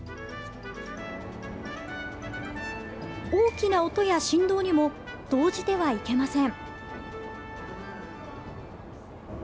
大きな音や振動にも動じてはいけません。